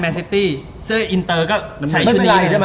แมนเซตตี้เสื้ออินเตอร์ก็ใช้ชุดนี้